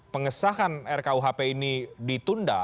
pengesahan rkuh ini ditunda